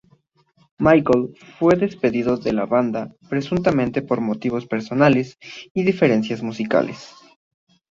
Michael fue despedido de la banda presuntamente por motivos personales y diferencias musicales.